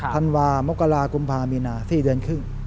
ธันวามกรากุมภามีนา๔เดือนครึ่ง